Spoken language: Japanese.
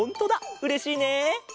うれしいね。